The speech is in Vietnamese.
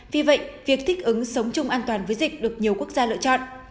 vì vậy việc thích ứng sống chung an toàn với dịch được nhiều quốc gia lựa chọn